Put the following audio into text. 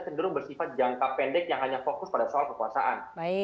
cenderung bersifat jangka pendek yang hanya fokus pada soal kekuasaan